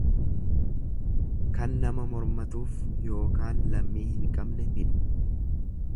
Kan nama mormatuuf yookaan lammii hin qabne midhu.